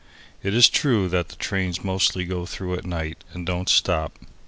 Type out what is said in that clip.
It is true that the trains mostly go through at night and don't stop.